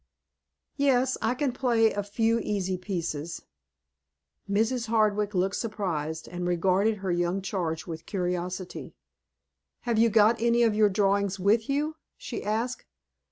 "Yes, I can play a few easy pieces." Mrs. Hardwick looked surprised, and regarded her young charge with curiosity. "Have you got any of your drawings with you?" she asked.